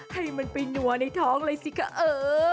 ให้มันไปนัวในท้องเลยสิคะเออ